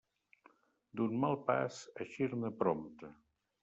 D'un mal pas, eixir-ne prompte.